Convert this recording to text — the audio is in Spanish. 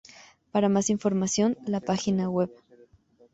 Para más información, la página web.